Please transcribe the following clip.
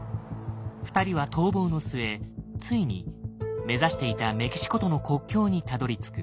２人は逃亡の末ついに目指していたメキシコとの国境にたどりつく。